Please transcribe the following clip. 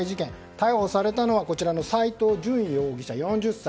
逮捕されたのはこちらの斎藤淳容疑者、４０歳。